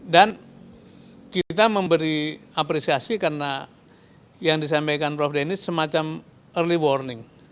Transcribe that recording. dan kita memberi apresiasi karena yang disampaikan prof dennis semacam early warning